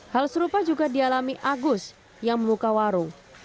hal serupa juga dialami agus yang membuka warung